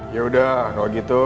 yaudah kalau gitu